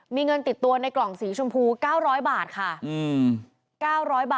มีเงินติดตัวในกล่องสีชมพูเก้าร้อยบาทค่ะอืม